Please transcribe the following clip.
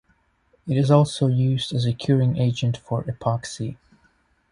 It is also used as a curing agent for epoxy.